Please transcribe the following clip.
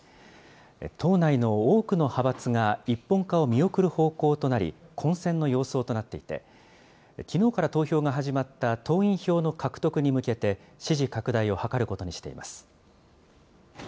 党内の多くの派閥が一本化を見送る方向となり、混戦の様相となっていて、きのうから投票が始まった党員票の獲得に向けて、支持拡大を図ることにしています。